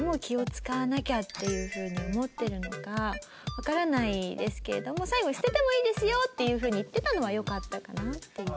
わからないですけれども最後に「捨ててもいいですよ」っていうふうに言ってたのはよかったかなっていう。